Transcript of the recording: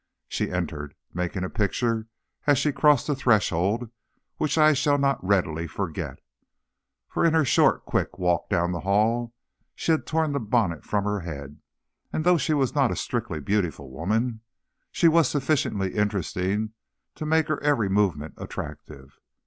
She entered, making a picture, as she crossed the threshold, which I shall not readily forget. For in her short, quick walk down the hall she had torn the bonnet from her head, and though she was not a strictly beautiful woman, she was sufficiently interesting to make her every movement attractive.